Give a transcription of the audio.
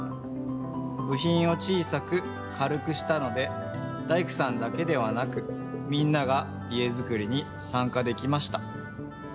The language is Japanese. ぶひんを小さくかるくしたので大工さんだけではなくみんなが家づくりにさんかできました。